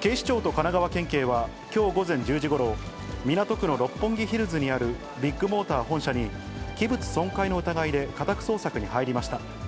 警視庁と神奈川県警は、きょう午前１０時ごろ、港区の六本木ヒルズにあるビッグモーター本社に、器物損壊の疑いで家宅捜索に入りました。